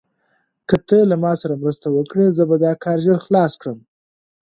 که ته له ما سره مرسته وکړې، زه به دا کار ژر خلاص کړم.